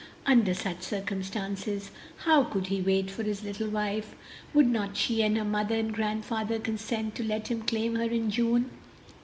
Under such circumstances, how could he wait for his little wife? Would not she and her mother and grandfather consent to let him claim her in June?